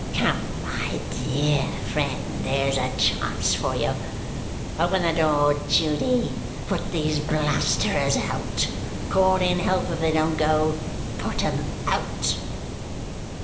Come, my dear friend, there's a chance for you. Open the street door, Judy; put these blusterers out! Call in help if they don't go. Put 'em out!"